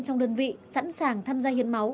trong đơn vị sẵn sàng tham gia hiến máu